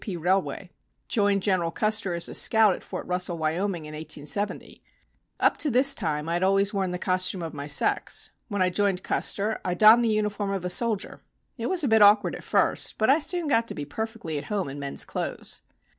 P. railway. Joined General Custer as a scout at Fort Russell, Wyoming, in 1870. Up to this time I had always worn the costume of my sex. When I joined Custer I donned the uniform of a soldier. It was a bit awkward at first but I soon got to be perfectly at home in men's clothes.